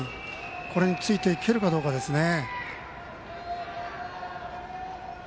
これについていけるかどうかですね。